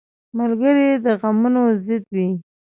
ملګری د غمونو ضد وي